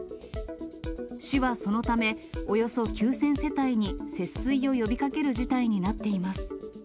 市はそのため、およそ９０００世帯に節水を呼びかける事態になっています。